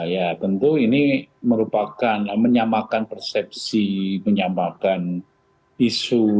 ya tentu ini merupakan menyamakan persepsi menyamakan isu